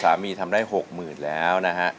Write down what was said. สามีทำได้๖หมื่นแล้วนะฮะ